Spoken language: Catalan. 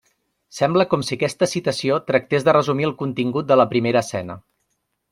Sembla com si aquesta citació tractés de resumir el contingut de la primera escena.